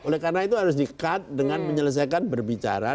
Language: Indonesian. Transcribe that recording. oleh karena itu harus di cut dengan menyelesaikan berbicara